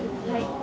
「はい。